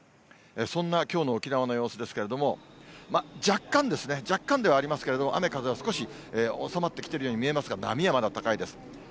そんなきょうの沖縄の様子ですけれども、若干、若干ではありますけれども、雨風は少し収まってきているように見えますが、波はまだ高いです。